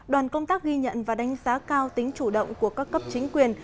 đoàn công tác ghi nhận và đánh giá cao tính chủ động của các cấp chính quyền